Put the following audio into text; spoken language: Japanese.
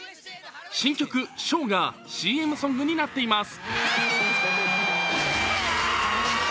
新曲「唱」がＣＭソングになっています。